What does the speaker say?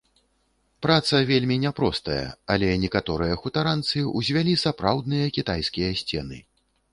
Праца вельмі няпростая, але некаторыя хутаранцы ўзвялі сапраўдныя кітайскія сцены.